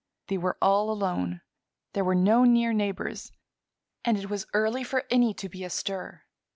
They were all alone. There were no near neighbors, and it was early for any to be astir.